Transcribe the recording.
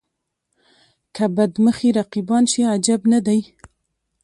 که بد مخي رقیبان شي عجب نه دی.